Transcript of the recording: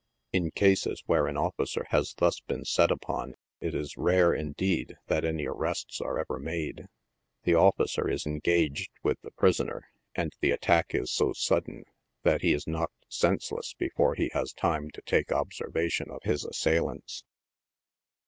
In cases where an officer has thus been set upon, it is rare, indeed, that any arrests are ever made. The officer is engaged with his prisoner, and the attack is so sudden that he is knocked senseless before he has time to take observation of his assailants.